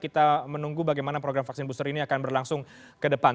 kita menunggu bagaimana program vaksin booster ini akan berlangsung ke depan